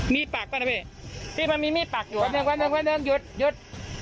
มีปากปั้นแล้วพี่มันมีมีปากอยู่หวัดเว้นหวัดเว้นอยุดยุด